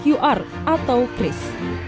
kode qr atau kris